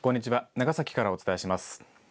長崎からお伝えします。